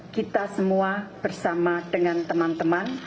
kita semua bersama dengan teman teman